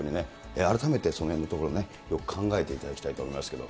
改めてそのへんのところ、よく考えていただきたいと思いますけれども。